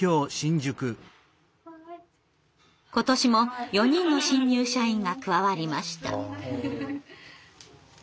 今年も４人の新入社員が加わりました。